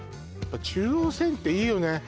中央線っていいよね